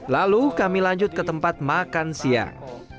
lalu kami lanjut ke tempat makan siang